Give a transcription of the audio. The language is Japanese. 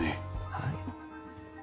はい。